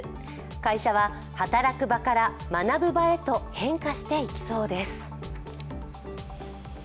会社は、働く場から学ぶ場へと変化していきそうです。